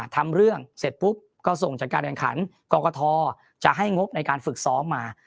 ทำเรื่องเสร็จปุ๊บก็ส่งจากการแข่งขันกรกฐจะให้งบในการฝึกซ้อมมา